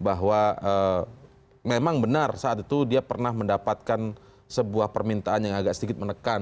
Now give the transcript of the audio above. bahwa memang benar saat itu dia pernah mendapatkan sebuah permintaan yang agak sedikit menekan